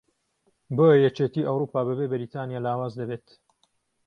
بۆیە یەکێتی ئەوروپا بەبێ بەریتانیا لاواز دەبێت